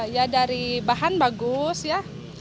ya dari bahan bagus ya